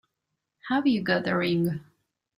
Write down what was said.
Have you got a ring?